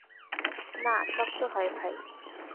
না, শক্ত নয় ভাই।